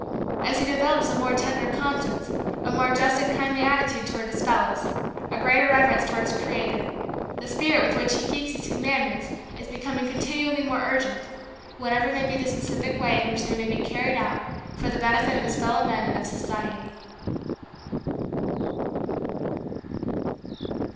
As he develops a more tender conscience, a more just and kindly attitude toward his fellows, a greater reverence toward his Creator, the spirit with which be keeps these commandments is becoming continually more urgent, whatever may be the specific way in which they may be carried out for the benefit of his fellow men and of society.